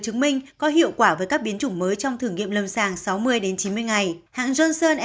chứng minh có hiệu quả với các biến chủng mới trong thử nghiệm lâm sàng sáu mươi chín mươi ngày hãng johnson đã